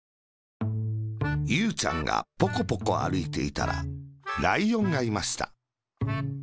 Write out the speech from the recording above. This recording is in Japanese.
ゆうちゃんがポコポコあるいていたら、ライオンがいました。